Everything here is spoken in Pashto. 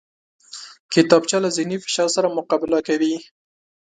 کتابچه له ذهني فشار سره مقابله کوي